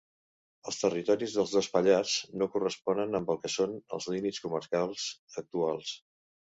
Els territoris dels dos Pallars no corresponien amb el que són els límits comarcals actuals.